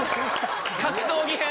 格闘技編？